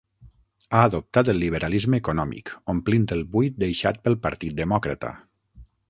Ha adoptat el liberalisme econòmic, omplint el buit deixat pel Partit Demòcrata.